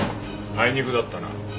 あいにくだったな。